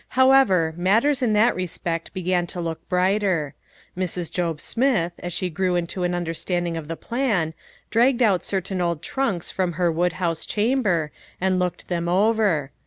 How ever, matters in that respect began to look brighter. Mrs. Job Smith, as she grew into an understanding of the plan, dragged out certain old trunks from her woodhouse chamber and looked them over.